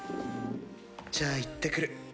じゃあ行ってくる。